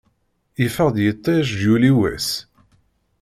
Yeffeɣ-d yiṭij, yuli wass.